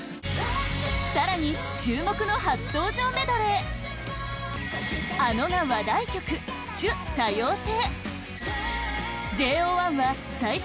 更に注目の初登場メドレーａｎｏが話題曲「ちゅ、多様性。」